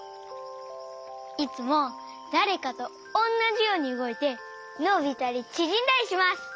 いつもだれかとおんなじようにうごいてのびたりちぢんだりします！